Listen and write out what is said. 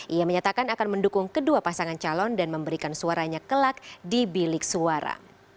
ia menyatakan akan mendukung kedua pasangan calon dan memberikan suaranya kelak di bilik suara